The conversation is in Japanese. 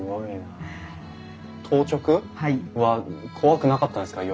当直は怖くなかったんですか？